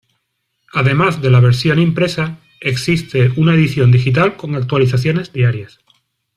Además de la versión impresa, existe una edición digital con actualizaciones diarias.